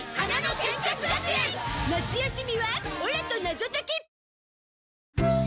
夏休みはオラと謎解き！